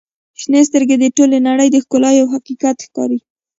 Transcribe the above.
• شنې سترګې د ټولې نړۍ د ښکلا یوه حقیقت ښکاري.